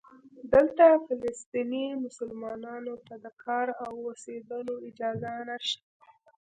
دلته فلسطینی مسلمانانو ته د کار او اوسېدلو اجازه نشته.